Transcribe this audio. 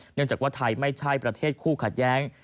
เนื่องจากว่าไทยไม่ใช่ประเทศคู่ขัดแย้ง